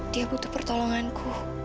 dia butuh pertolonganku